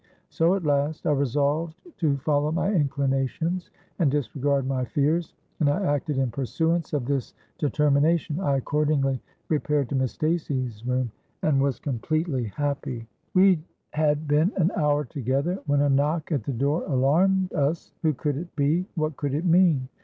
So, at last, I resolved to follow my inclinations, and disregard my fears; and I acted in pursuance of this determination. I accordingly repaired to Miss Stacey's room, and was completely happy. "We had been an hour together, when a knock at the door alarmed us. Who could it be? what could it mean?